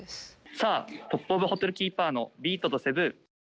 さあトップオブホテルキーパーのビートとセブー。